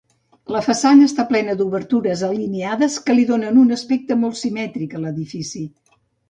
La façana està plena d'obertures alineades que li donen un aspecte molt simètric a l'edifici.